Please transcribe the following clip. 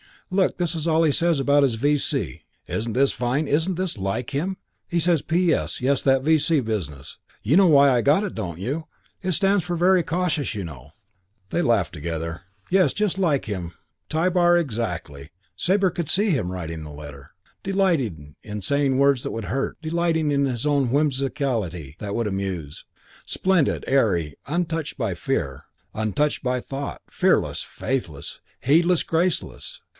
Look, this is all he says about his V.C. Isn't this fine and isn't it like him? He says, 'P.S. Yes, that V.C. business. You know why I got it, don't you? It stands for Very Cautious, you know.'" They laughed together. Yes, like him! Tybar exactly! Sabre could see him writing the letter. Delighting in saying words that would hurt; delighting in his own whimsicality that would amuse. Splendid; airy, untouched by fear; untouched by thought; fearless, faithless, heedless, graceless.